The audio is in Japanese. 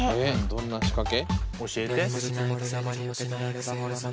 どんな仕掛け？教えて。